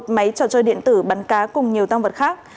một máy trò chơi điện tử bắn cá cùng nhiều tăng vật khác